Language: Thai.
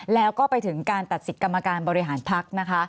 แล้วก็ไปถึงการตัดสิทธิ์กรรมการบริหารพักนะคะ